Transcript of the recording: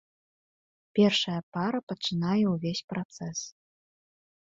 Першая пара пачынае ўвесь працэс.